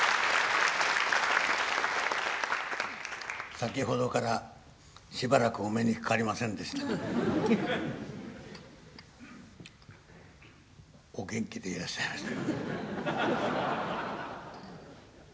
先ほどからしばらくお目にかかりませんでしたがお元気でいらっしゃいましたか。